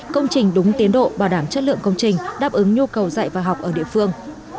công trình đúng tiến độ bảo đảm chất lượng công trình đáp ứng nhu cầu dạy và học ở địa phương